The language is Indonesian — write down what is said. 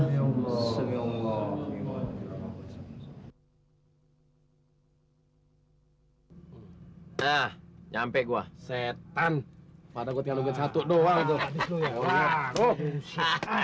hai ah nyampe gua setan pada gue satu doang tuh